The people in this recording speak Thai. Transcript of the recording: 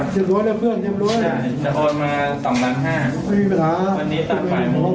จะโดนมา๒๕ไม่มีปัญหาวันนี้ต่างฝ่ายหมด